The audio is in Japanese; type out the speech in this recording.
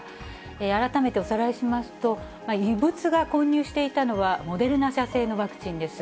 改めておさらいしますと、異物が混入していたのは、モデルナ社製のワクチンです。